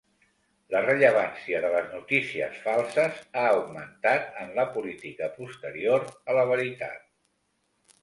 La rellevància de les notícies falses ha augmentat en la política posterior a la veritat.